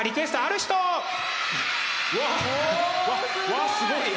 わっすごい！